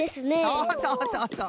そうそうそうそう。